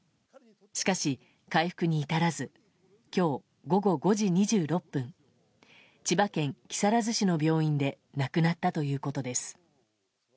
しかし、回復に至らず今日、午後５時２６分千葉県木更津市の病院で亡くなったということです。